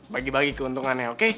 bagi bagi keuntungannya oke